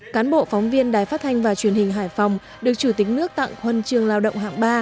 cán bộ phóng viên đài phát thanh và truyền hình hải phòng được chủ tịch nước tặng huân chương lao động hạng ba